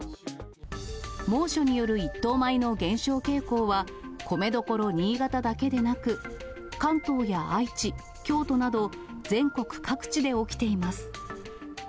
猛暑による一等米の減少傾向は米どころ、新潟だけでなく、関東や愛知、京都など全国各地で起きています。